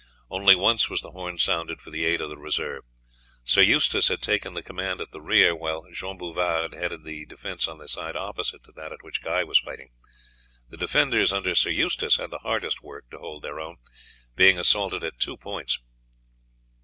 Only once was the horn sounded for the aid of the reserve. Sir Eustace had taken the command at the rear, while Jean Bouvard headed the defence on the side opposite to that at which Guy was fighting. The defenders under Sir Eustace had the hardest work to hold their own, being assaulted at two points.